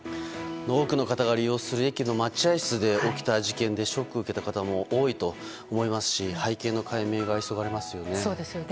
多くの方が利用する駅の待合室で起きた事件でショックを受けた人も多いと思いますし背景の解明が急がれますよね。